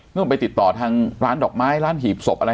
ต้องไปติดต่อทางร้านดอกไม้ร้านหีบศพอะไร